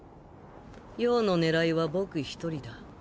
葉の狙いは僕一人だ。